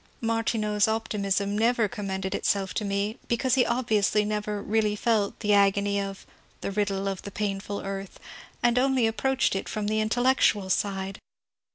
Martineau's optimism never conmiended itself to me, because he obviously never really felt the agony of " the riddle of the painful earth," and only approached it from the intellectual side.